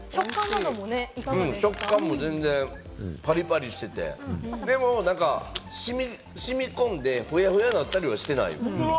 食感も全然、パリパリしてて、でもなんか染み込んで、ふやふやになったりとかしてない。